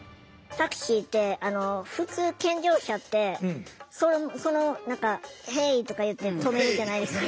タクシーって普通健常者って何か「ヘイ！」とか言って止めるじゃないですか。